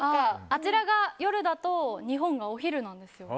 あちらが夜だと日本がお昼なんですよ。